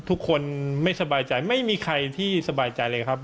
ทุกคนไม่สบายใจไม่มีใครที่สบายใจเลยครับ